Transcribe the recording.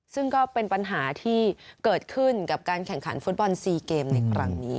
ซึ่งก็เป็นปัญหาที่เกิดขึ้นกับการแข่งขันฟุตบอล๔เกมในครั้งนี้